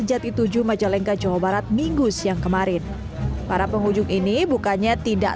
jati tujuh majalengka jawa barat minggu siang kemarin para pengunjung ini bukannya tidak